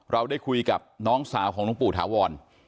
เราได้คุยกับน้องสาวของหลวงปู่ถาวร